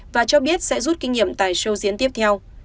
và cho biết sẽ rút kinh nghiệm tại show diễn tiếp theo